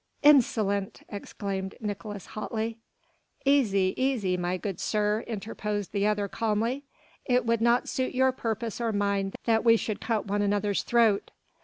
"Insolent!" exclaimed Nicolaes hotly. "Easy, easy, my good sir," interposed the other calmly, "it would not suit your purpose or mine that we should cut one another's throat.